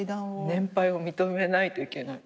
年配を認めないといけない。